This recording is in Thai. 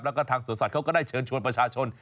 แล้วก็ทางสวนสัตว์เขาก็ได้เชิญชวนประชาชน